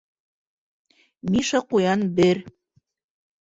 - Миша Ҡуян - бер.